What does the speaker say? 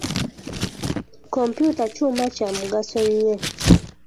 Kompyuta kyuma kya mugaso nnyo.